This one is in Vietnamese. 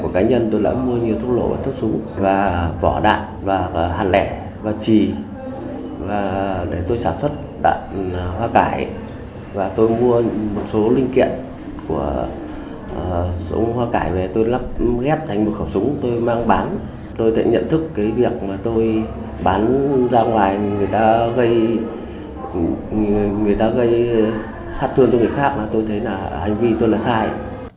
bán ra ngoài người ta gây sát thương cho người khác tôi thấy là hành vi tuân là sai